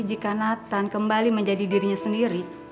jika nathan kembali menjadi dirinya sendiri